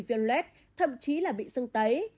viên lết thậm chí là bị sưng tấy